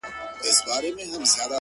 دا ستاد كلـي كـاڼـى زمـا دوا ســـوه;